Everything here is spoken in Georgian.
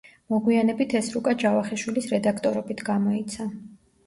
მოგვიანებით ეს რუკა ჯავახიშვილის რედაქტორობით გამოიცა.